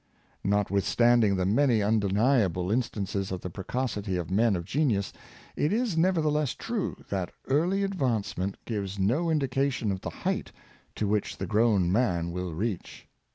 Notwithstanding the many un deniable instances of the precocity of men of genius, it is nevertheless true that early advancement gives no indication of the height to which the grown man will reach.